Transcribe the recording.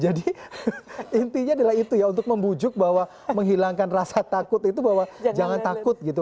jadi intinya adalah itu ya untuk membujuk bahwa menghilangkan rasa takut itu bahwa jangan takut gitu